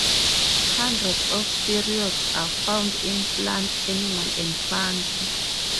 Hundreds of steroids are found in plants, animals and fungi.